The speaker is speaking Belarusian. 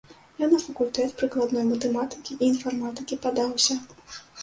Я на факультэт прыкладной матэматыкі і інфарматыкі падаўся.